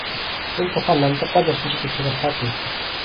Энэ тухай Намдаг гуайн дурсамжид их тодорхой бий.